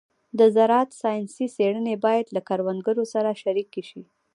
د زراعت ساینسي څېړنې باید له کروندګرو سره شریکې شي.